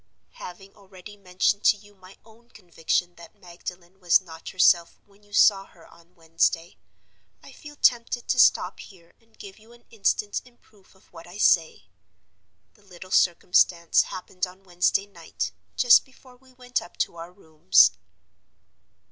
"Having already mentioned to you my own conviction that Magdalen was not herself when you saw her on Wednesday, I feel tempted to stop here and give you an instance in proof of what I say. The little circumstance happened on Wednesday night, just before we went up to our rooms.